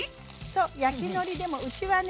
そう焼きのりでもうちはね